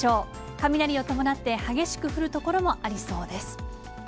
雷を伴って激しく降る所もありそうです。